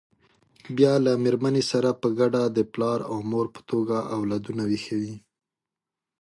بیا له مېرمنې سره په ګډه د پلار او مور په توګه اولادونه ویښوي.